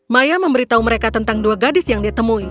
maya memberitahu mereka tentang dua gadis yang dia temui